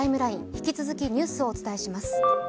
引き続きニュースをお伝えします。